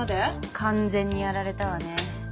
完全にやられたわね。